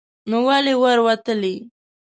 نو ولې ور وتلې